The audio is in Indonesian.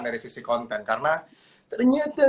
dari sisi konten karena ternyata